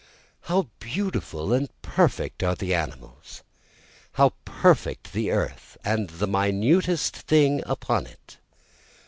How beautiful and perfect are the animals! How perfect the earth, and the minutest thing upon it!